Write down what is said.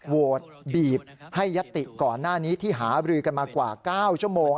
โหวตบีบให้ยัตติก่อนหน้านี้ที่หาบรือกันมากว่า๙ชั่วโมง